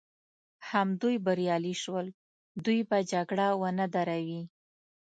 همدوی بریالي شول، دوی به جګړه ونه دروي.